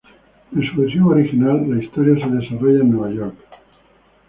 En su versión original, la historia se desarrollaba en Nueva York.